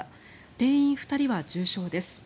店員２人は重傷です。